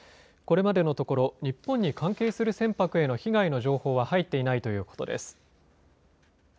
これまでのところ日本に関係する船舶への被害の情報は入っていないということです。